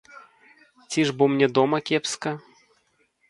Ці ж бо мне дома кепска?